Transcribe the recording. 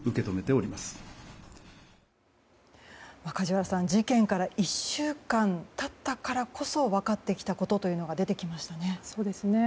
梶原さん、事件から１週間経ったからこそ分かってきたことというのが出てきましたね。